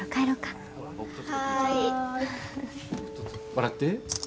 笑って。